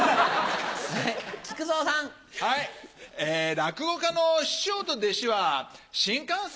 落語家の師匠と弟子は新幹線